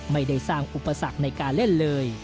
ไม่ได้สร้างอุปสรรคในการเล่นเลย